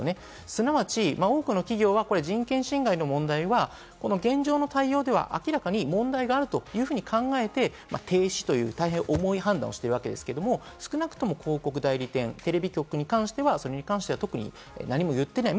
すなわち多くの企業は人権侵害の問題は、現状の対応では明らかに問題があるというふうに考えて、停止という大変重い判断をしてるわけですけれども、少なくとも広告代理店、テレビ局に関してはそれに関しては特に何も言ってない。